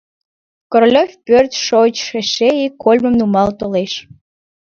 Королёв пӧрт шойыч эше ик кольмым нумал толеш.